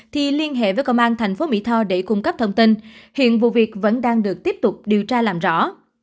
thì liên hệ với công an thành phố mỹ tho để cung cấp thông tin hiện vụ việc vẫn đang được tiếp tục điều tra làm rõ